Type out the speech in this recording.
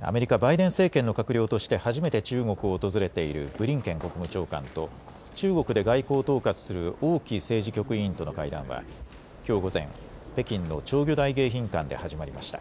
アメリカ・バイデン政権の閣僚として初めて中国を訪れているブリンケン国務長官と中国で外交を統括する王毅政治局委員との会談はきょう午前、北京の釣魚台迎賓館で始まりました。